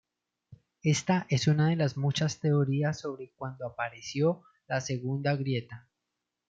Ésta es una de las muchas teorías sobre cuándo apareció la segunda grieta.